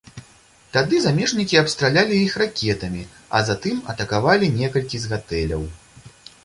Тады замежнікі абстралялі іх ракетамі, а затым атакавалі некалькі з гатэляў.